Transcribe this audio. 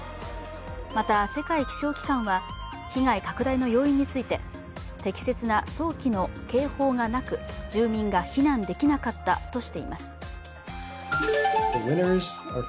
また、世界気象機関は被害拡大の要因について適切な早期の警報がなく住民が避難できなかったとしています。